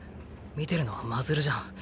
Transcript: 見てるのは真鶴じゃん。